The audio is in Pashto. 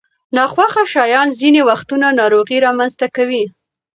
ناخوښه شیان ځینې وختونه ناروغۍ رامنځته کوي.